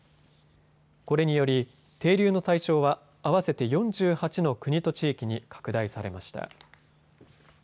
これにより、停留の対象は合わせて４８の国と地域に拡大されました。